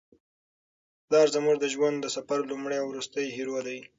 پلار زموږ د ژوند د سفر لومړی او وروستی هیرو دی.